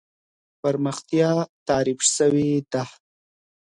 پرمختيا تعريف سوې ده.